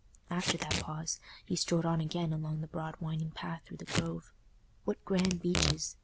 After that pause, he strode on again along the broad winding path through the Grove. What grand beeches!